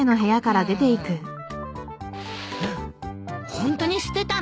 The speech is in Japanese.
ホントに捨てたの？